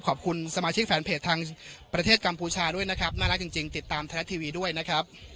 ขอบคุณสมาชิกแฟนเพจทางประเทศกัมพูชาด้วยนะครับน่ารักจริงติดตามไทยรัฐทีวีด้วยนะครับ